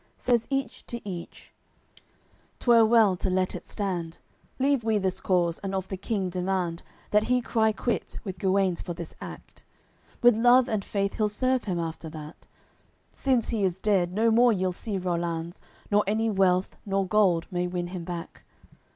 Says each to each: "'Twere well to let it stand. Leave we this cause, and of the King demand That he cry quits with Guenes for this act; With love and faith he'll serve him after that. Since he is dead, no more ye'll see Rollanz, Nor any wealth nor gold may win him back.